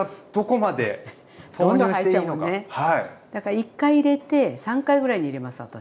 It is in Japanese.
１回入れて３回ぐらいに入れます私。